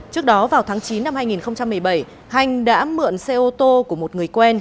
trước đó vào tháng chín năm hai nghìn một mươi bảy hanh đã mượn xe ô tô của một người quen